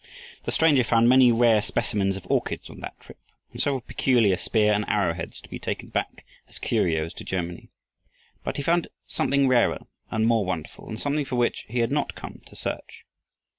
The stranger found many rare specimens of orchids on that trip and several peculiar spear and arrow heads to be taken back as curios to Germany. But he found something rarer and more wonderful and something for which he had not come to search.